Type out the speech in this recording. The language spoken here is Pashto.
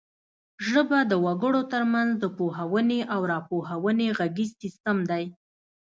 ژبه د وګړو ترمنځ د پوهونې او راپوهونې غږیز سیستم دی